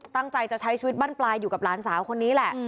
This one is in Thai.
ตั้งใจจะใช้ชีวิตบ้านปลายอยู่กับหลานสาวคนนี้แหละ